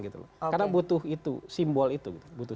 karena butuh itu simbol itu